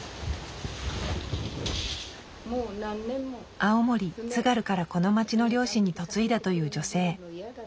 青森・津軽からこの町の漁師に嫁いだという女性。